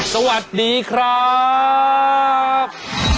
สวัสดีครับ